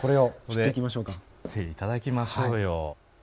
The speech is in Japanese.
切って頂きましょうよ。